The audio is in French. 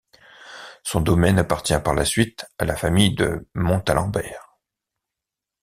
Son domaine appartient par la suite à la famille De Montalembert.